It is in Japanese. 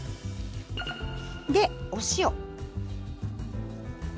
でお塩。